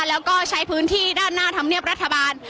แล้วก็ใช้พื้นที่ด้านหน้าธรรมเนียบรัฐบาล